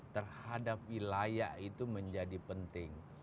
terhadap wilayah itu menjadi penting